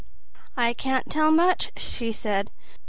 "I can't tell much," she said.